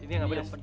ini yang gak pedas